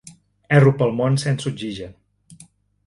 Erro pel món sense oxigen.